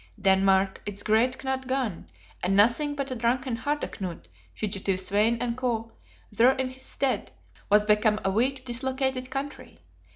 Denmark, its great Knut gone, and nothing but a drunken Harda Knut, fugitive Svein and Co., there in his stead, was become a weak dislocated Country.